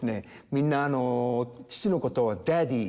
みんな父のことをダディー